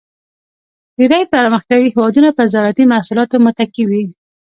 ډېری پرمختیایي هېوادونه په زراعتی محصولاتو متکی وي.